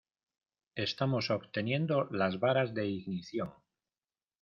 Estamos obteniendo las varas de ignición.